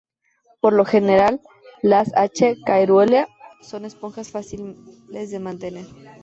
Por lo general, las "H. caerulea" son esponjas fáciles de mantener.